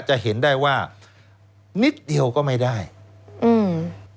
จะเห็นได้ว่านิดเดียวก็ไม่ได้อืม